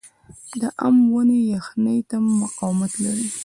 د ام ونې یخنۍ ته مقاومت لري؟